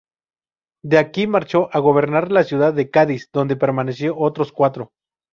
De aquí marchó a gobernar la ciudad de Cádiz, donde permaneció otros cuatro.